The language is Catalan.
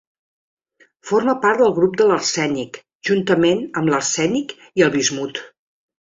Forma part del grup de l'arsènic juntament amb l'arsènic i el bismut.